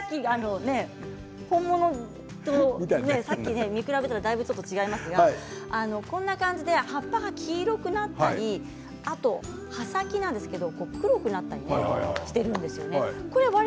本物と見比べたらだいぶちょっと違いますけれども葉っぱが黄色くなったり葉先なんですけれども黒くなったりしてるんですね。